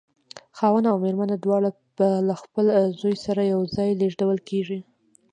خاوند او مېرمن دواړه به له خپل زوی سره یو ځای لېږدول کېږي.